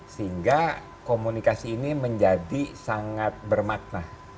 sehingga komunikasi ini menjadi sangat bermakna